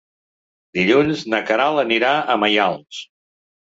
Dilluns na Queralt anirà a Maials.